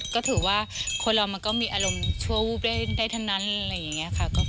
ก็ถือว่าคนเรามันก็มีอารมณ์ชั่ววูบได้ทั้งนั้นอะไรอย่างนี้ค่ะ